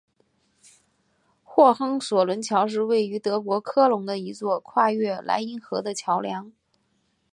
霍亨索伦桥是位于德国科隆的一座跨越莱茵河的桥梁。